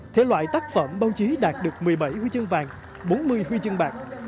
thể loại tác phẩm báo chí đạt được một mươi bảy huy chương vàng bốn mươi huy chương bạc